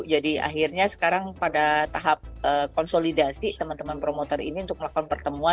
jadi akhirnya sekarang pada tahap konsolidasi teman teman promotor ini untuk melakukan pertemuan